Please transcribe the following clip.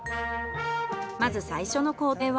まず最初の工程は？